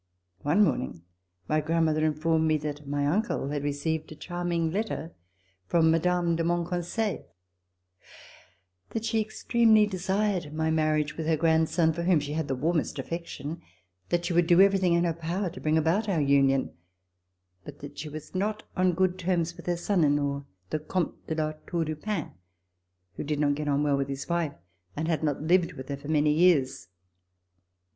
One morning my grandmother informed me that my uncle had received a charming letter from Mme. de Monconseil; that she extremely desired my marriage with her C36] MATRIMONIAL PROJIXTS grandson for whom she had the warmest affection; that she would do everything in her power to bring about our union; but that she was not on good terms with her son in law, the Comte de La Tour du Pin, who did not get on well with his wife and had not lived with her for many years.